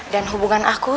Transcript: ya hubungi saya lah